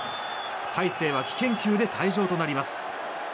大勢は危険球で退場となります。